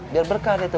biar berkah dia tuh